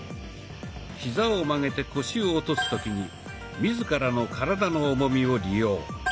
ヒザを曲げて腰を落とす時に自らの体の重みを利用。